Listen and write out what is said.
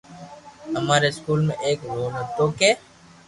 اماري اسڪول مي ايڪ رول ھوتو ڪي